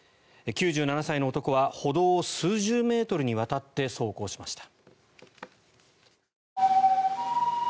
９７歳の男は歩道を数十メートルにわたって走行しました。